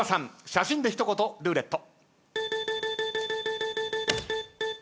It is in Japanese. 写真で一言ルーレット。